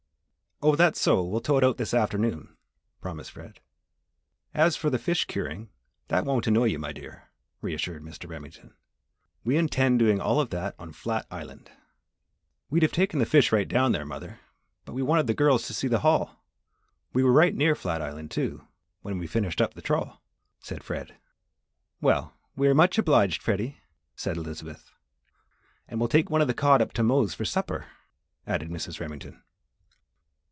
"Oh, that's so, we'll tow it out this afternoon," promised Fred. "As for the fish curing, that won't annoy you, my dear," reassured Mr. Remington. "We intend doing all of that on Flat Island." "We'd have taken these fish right down there, mother, but we wanted the girls to see the haul we were right near Flat Island, too, when we finished up the trawl," said Fred. "Well, we're much obliged, Freddy," said Elizabeth. "And we'll take one of the cod up to Mose for supper," added Mrs. Remington.